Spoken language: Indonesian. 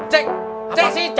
ceng apa sih